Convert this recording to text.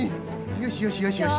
よしよしよしよし。